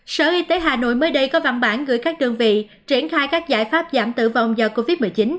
sở y tế hà nội mới đây có văn bản gửi các đơn vị triển khai các giải pháp giảm tử vong do covid một mươi chín